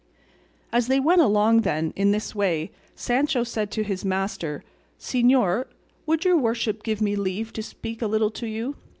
As they went along, then, in this way Sancho said to his master, "Señor, would your worship give me leave to speak a little to you?